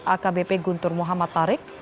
akbp guntur muhammad tarik